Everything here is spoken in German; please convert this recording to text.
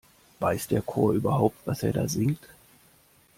Weiß der Chor überhaupt, was er da singt?